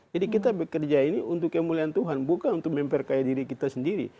jadi kita bekerja ini untuk kemuliaan tuhan bukan untuk memperkaya diri kita sendiri